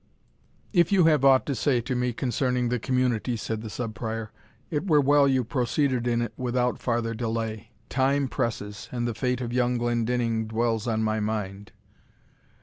"If you have aught to say to me concerning the community," said the Sub Prior, "it were well you proceeded in it without farther delay. Time presses, and the fate of young Glendinnning dwells on my mind."